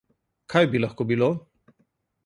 Kaj bi lahko bilo?